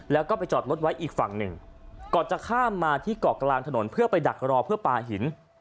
แล้วก็ไปจอดรถไว้อีกฝั่งหนึ่งก่อนจะข้ามมาที่เกาะกลางถนนเพื่อไปดักรอเพื่อปลาหิน